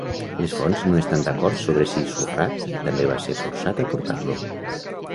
Les fonts no estan d'acord sobre si Surratt també va ser forçat a portar-lo.